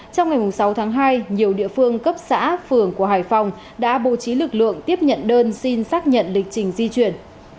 trong ngày sáu tháng hai nhiều địa phương cấp xã phường của hải phòng đã bố trí lực lượng tiếp nhận đơn xin xác nhận lịch trình di chuyển